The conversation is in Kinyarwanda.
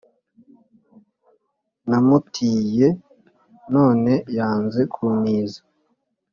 Namutiye none yanze kuntiza